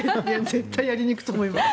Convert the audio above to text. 絶対やりに行くと思います。